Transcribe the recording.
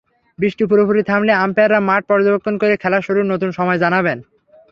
বৃষ্টি পুরোপুরি থামলে আম্পায়াররা মাঠ পর্যবেক্ষণ করে খেলা শুরুর নতুন সময় জানাবেন।